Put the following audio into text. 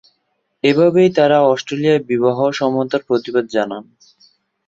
এইভাবেই তাঁরা অস্ট্রেলিয়ায় বিবাহ সমতার প্রতিবাদ জানান।